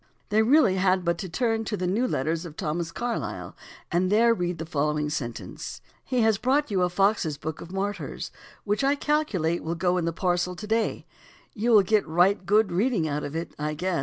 They really had but to turn to the New Letters of Thomas Carlyle (vol. I, p. 178) and there read the following sentence: "He has brought you a Fox's book of Martyrs, which I calculate will go in the parcel to day; you will get right good reading out of it, I guess."